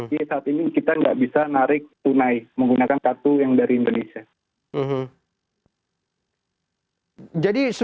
jadi saat ini kita tidak bisa narik tunai menggunakan kartu yang dari indonesia